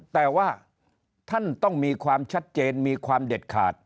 แต่ว่าท่านต้องมีความชัดเจนมีความเด็ดขาด